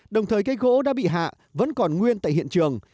đồng thời cây gỗ đã bị hạ vẫn còn nguyên tại hiện trường